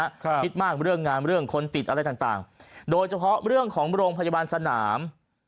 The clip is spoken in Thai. คิดมากเรื่องงานเรื่องคนติดอะไรต่างต่างโดยเฉพาะเรื่องของโรงพยาบาลสนาม